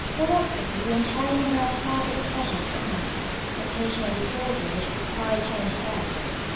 They were pretty, and hurrying from one party of pleasure to another, occasioned the disorder which required change of air.